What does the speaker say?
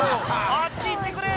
「あっち行ってくれ！